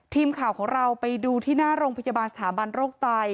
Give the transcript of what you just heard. ทีมข่าวของเราไปดูที่หน้าโรงพยาบาลสถาบันโรคไต